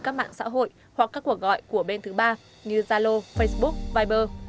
các mạng xã hội hoặc các cuộc gọi của bên thứ ba như zalo facebook viber